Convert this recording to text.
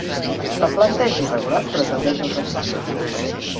La planta és irregular però tendeix al rectangle.